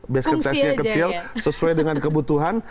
basket size nya kecil sesuai dengan kebutuhan